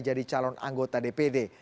jadi calon anggota dpd